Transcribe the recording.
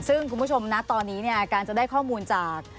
ซึ่งคุณผู้ชมนะตอนนี้เนี่ยการจะได้ข้อมูลจาก